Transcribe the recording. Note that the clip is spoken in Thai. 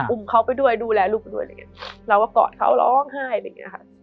อุ่มเขาไปด้วยดูแลลูกด้วยเราก็กอดเขาร้องไห้